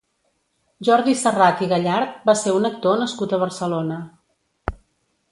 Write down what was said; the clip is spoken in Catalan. Jordi Serrat i Gallart va ser un actor nascut a Barcelona.